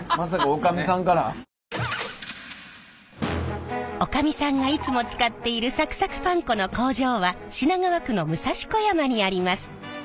女将さんがいつも使っているサクサクパン粉の工場は品川区の武蔵小山にあります。